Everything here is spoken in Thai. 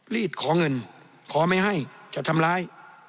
รีดขอเงินขอไม่ให้จะทำร้าย